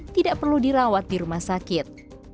tidak perlu dirawat di rumah sakit